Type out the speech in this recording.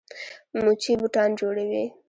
موچي بوټان جوړوي.